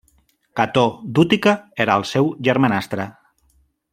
Cató d'Útica era el seu germanastre.